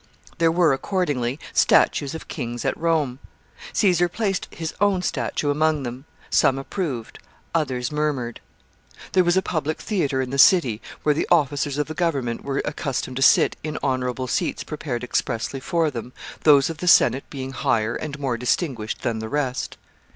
There were, accordingly, statues of kings at Rome. Caesar placed his own statue among them. Some approved, others murmured. [Sidenote: Caesar's seat in the theater.] There was a public theater in the city, where the officers of the government were accustomed to sit in honorable seats prepared expressly for them, those of the Senate being higher and more distinguished than the rest.